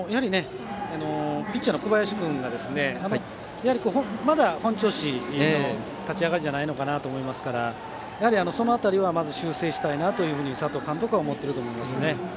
ピッチャーの小林君がまだ本調子の立ち上がりじゃないと思うのでその辺りは修正したいなと佐藤監督は思っていると思います。